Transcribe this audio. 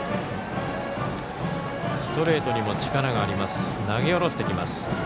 ストレートにも力がありますし投げ下ろしてきます。